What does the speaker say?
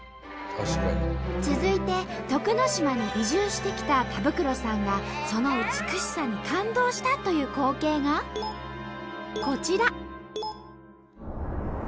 続いて徳之島に移住してきた田袋さんがその美しさに感動したという光景がこちら。